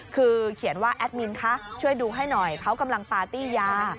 คือเขียนว่าแอดมินคะช่วยดูให้หน่อยเขากำลังปาร์ตี้ยา